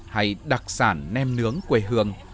hay đặc sản nem nướng quê hương